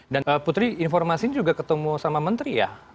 dan putri informasi ini juga ketemu sama menteri ya